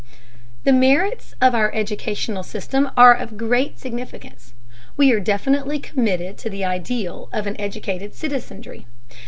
The merits of our educational system are of great significance. We are definitely committed to the ideal of an educated citizenry.